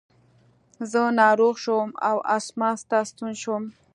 زه ناروغ شوم او اسماس ته ستون شوم.